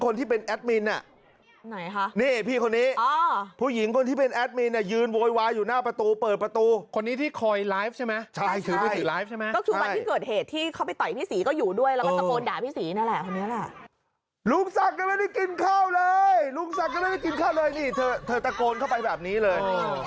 แล้วบอกตำรวจลุงศักดิ์ก็ไม่ได้กินข้าวเลย